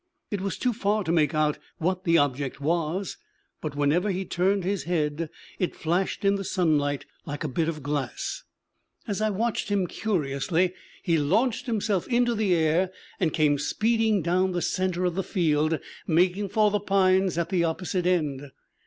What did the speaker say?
It was too far to make out what the object was; but whenever he turned his head it flashed in the sunlight like a bit of glass. As I watched him curiously he launched himself into the air and came speeding down the center of the field, making for the pines at the opposite end.